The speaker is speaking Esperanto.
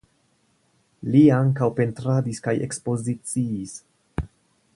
Li ankaŭ pentradis kaj ekspoziciis.